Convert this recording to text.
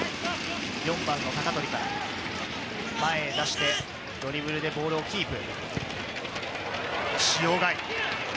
４番の鷹取が前へ出して、ドリブルでボールをキープ。